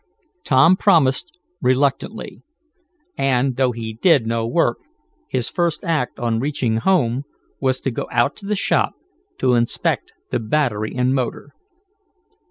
Tom promised, reluctantly, and, though he did no work, his first act, on reaching home, was to go out to the shop, to inspect the battery and motor.